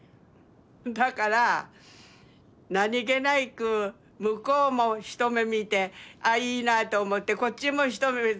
だから何気なく向こうも一目見てあいいなと思ってこっちも一目見て。